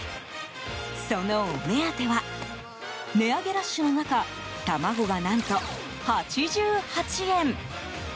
そのお目当ては値上げラッシュの中卵が、何と８８円。